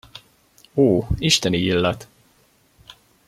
Ó, isteni illat!